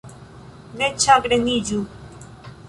Ne ĉagreniĝu.